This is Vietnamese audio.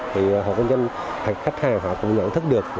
thì họ kinh doanh khách hàng họ cũng nhận thức được